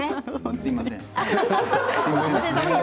すいません。